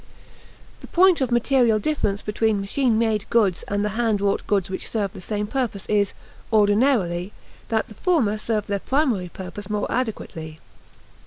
The point of material difference between machine made goods and the hand wrought goods which serve the same purposes is, ordinarily, that the former serve their primary purpose more adequately.